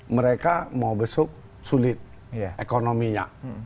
mereka mau besuk sulit ekonominya